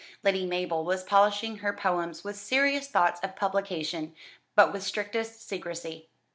Lady Mabel was polishing her poems with serious thoughts of publication, but with strictest secrecy.